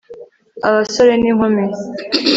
abasore n'inkumi